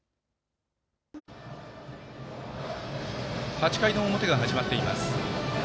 ８回の表が始まっています。